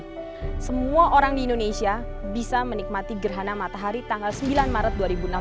jadi semua orang di indonesia bisa menikmati gerhana matahari tanggal sembilan maret dua ribu enam belas